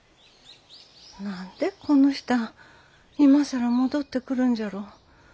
何でこの人あ今更戻ってくるんじゃろう。